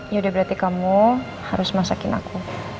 yaudah berarti kamu harus masakin aku